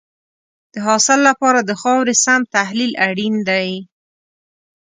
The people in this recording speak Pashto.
د حاصل لپاره د خاورې سم تحلیل اړین دی.